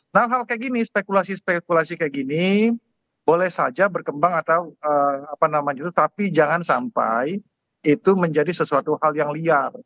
nah hal hal kayak gini spekulasi spekulasi kayak gini boleh saja berkembang atau apa namanya itu tapi jangan sampai itu menjadi sesuatu hal yang liar